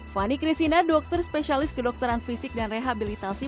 fani krisina dokter spesialis kedokteran fisik dan rehabilitasi